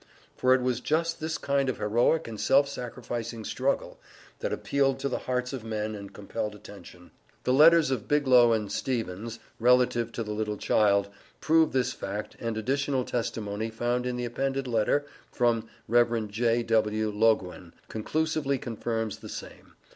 For it was just this kind of heroic and self sacrificing struggle, that appealed to the hearts of men and compelled attention. The letters of Biglow and Stevens, relative to the little child, prove this fact, and additional testimony found in the appended letter from Rev. J.W. Loguen conclusively confirms the same.